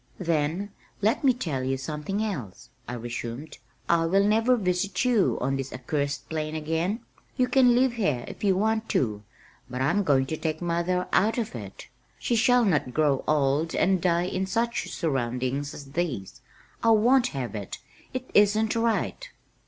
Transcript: "Then, let me tell you something else," I resumed. "I will never visit you on this accursed plain again. You can live here if you want to, but I'm going to take mother out of it. She shall not grow old and die in such surroundings as these. I won't have it it isn't right."